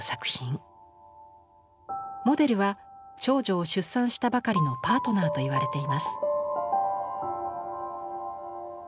モデルは長女を出産したばかりのパートナーといわれています。